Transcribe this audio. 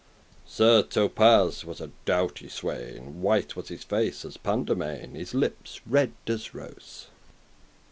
<3> Sir Thopas was a doughty swain, White was his face as paindemain, <4> His lippes red as rose.